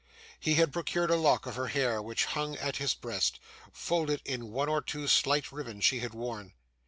He had procured a lock of her hair, which hung at his breast, folded in one or two slight ribbons she had worn.